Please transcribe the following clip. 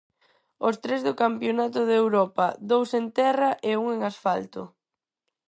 Os tres do campionato de Europa, dous en terra e un en asfalto.